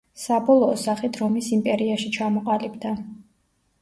საბოლოო სახით რომის იმპერიაში ჩამოყალიბდა.